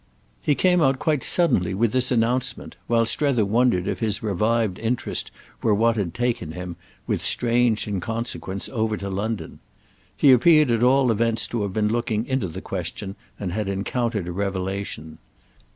He came out quite suddenly with this announcement while Strether wondered if his revived interest were what had taken him, with strange inconsequence, over to London. He appeared at all events to have been looking into the question and had encountered a revelation.